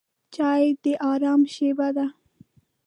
چای د آرام شېبه ده.